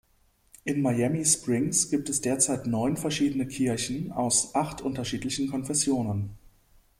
In Miami Springs gibt es derzeit neun verschiedene Kirchen aus acht unterschiedlichen Konfessionen.